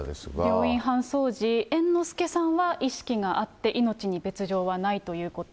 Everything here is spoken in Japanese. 病院搬送時、猿之助さんは意識があって命に別状はないということ。